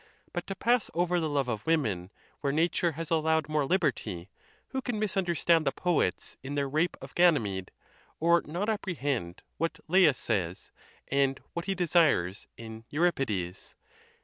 But, to pass over the love of women, where nature has allowed more liberty, who can misunderstand the poets in their rape of Ganymede, or not apprehend what Laius says, and what_ he desires, in Euripides?